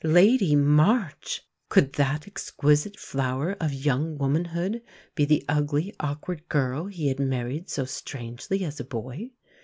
Lady March! Could that exquisite flower of young womanhood be the ugly, awkward girl he had married so strangely as a boy?